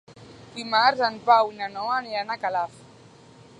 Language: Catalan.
Dimarts en Pau i na Noa aniran a Calaf.